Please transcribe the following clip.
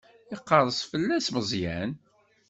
Iqerres fell-as Meẓyan.